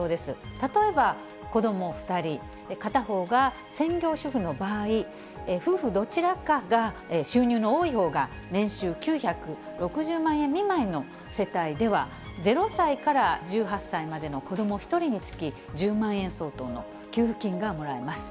例えば子ども２人、片方が専業主婦の場合、夫婦どちらかが収入の多いほうが年収９６０万円未満の世帯では、０歳から１８歳までの子ども１人につき１０万円相当の給付金がもらえます。